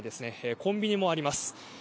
コンビニもあります。